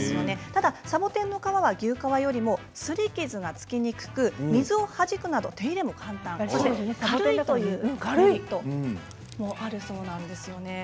ただサボテンの革は牛革よりもすり傷がつきにくく水をはじくなど手入れも簡単、軽いということもあるそうなんですね。